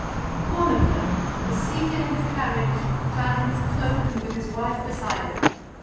One of them was seated in his carriage clad in his cloak and with his wife beside him.